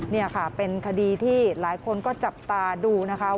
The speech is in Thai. นี่ค่ะเป็นคดีที่หลายคนก็จับตาดูนะคะ